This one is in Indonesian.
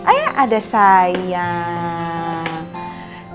oh ya ada sayang